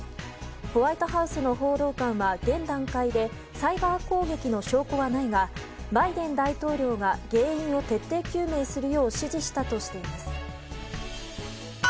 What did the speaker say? ホワイトハウスの報道官は現段階でサイバー攻撃の証拠はないがバイデン大統領が原因を徹底究明するよう指示したとしています。